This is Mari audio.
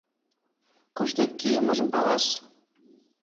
Кушто кийымыжым палаш.